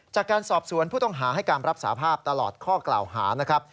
จากการสอบสวนผู้ต้องหาให้การรับสาภาพตลอดข้อกล่าวหานะครับ